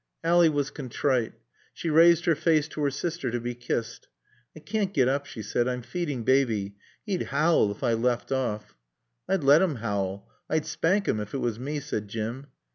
Ally was contrite; she raised her face to her sister to be kissed. "I can't get up," she said, "I'm feeding Baby. He'd howl if I left off." "I'd let 'im howl. I'd spank him ef 'twas me," said Jim.